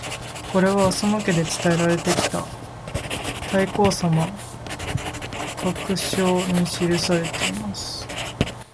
これは浅野家で伝えられてきた「太閤様御覚書」に記されています。